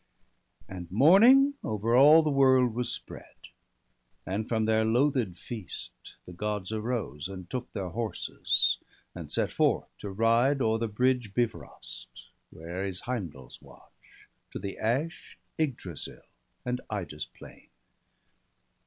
And morning over all the world was spread. Then from their loathed feast the Gods arose, And took their horses, and set forth to ride O'er the bridge Bifrost, where is Heimdall's watch. To the ash Igdrasil, and Ida's plain.